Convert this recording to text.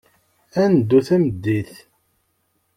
Ad neddu tameddit.